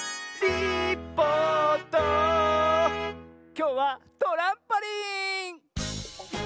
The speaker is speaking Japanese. きょうはトランポリン！